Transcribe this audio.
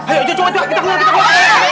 ayo coba kita keluar kita keluar